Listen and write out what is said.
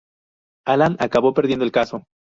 Allan acabó perdiendo el caso.